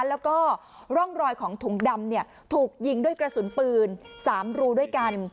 แล้วก็ร่องรอยของถุงดำถูกยิงด้วยกระสุนปืน๓รูด้วยกัน